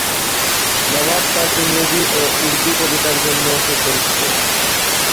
নবাব তার ইংরেজি ও উর্দু কবিতার জন্যও সুপরিচিত।